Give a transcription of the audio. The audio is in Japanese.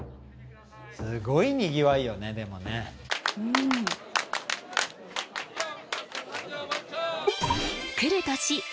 すごいにぎわいよねでもねうん来る